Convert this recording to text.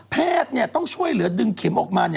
แพทย์ต้องช่วยเหลือดึงเข็มออกมา